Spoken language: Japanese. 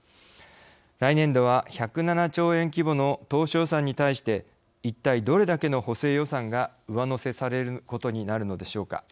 来年度は１０７兆円規模の当初予算に対して一体どれだけの補正予算が上乗せされることになるのでしょうか。